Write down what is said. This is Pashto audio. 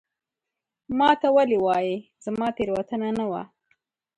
ما ته ولي وایې ؟ زما تېروتنه نه وه